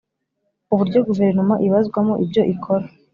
Uburyo guverinoma ibazwamo ibyo ikora